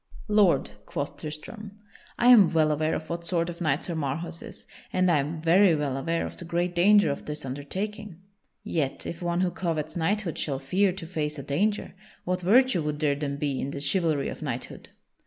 "Lord," quoth Tristram, "I am well aware of what sort of knight Sir Marhaus is, and I am very well aware of the great danger of this undertaking. Yet if one who covets knighthood shall fear to face a danger, what virtue would there then be in the chivalry of knighthood?